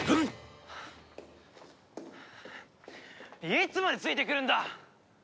いつまでついてくるんだ！？